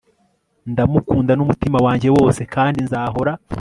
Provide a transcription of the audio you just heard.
ndamukunda n'umutima wanjye wose kandi nzahora